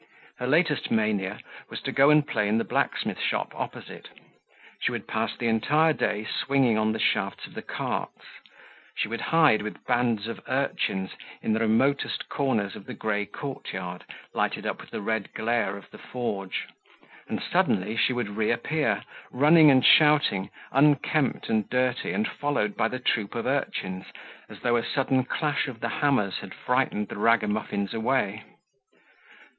Her latest mania was to go and play in the blacksmith shop opposite; she would pass the entire day swinging on the shafts of the carts; she would hide with bands of urchins in the remotest corners of the gray courtyard, lighted up with the red glare of the forge; and suddenly she would reappear, running and shouting, unkempt and dirty and followed by the troop of urchins, as though a sudden clash of the hammers had frightened the ragamuffins away.